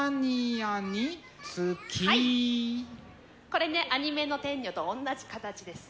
これでアニメの天女とおんなじ形です。